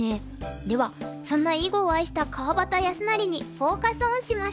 ではそんな囲碁を愛した川端康成にフォーカス・オンしました。